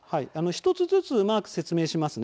１つずつマークを説明します。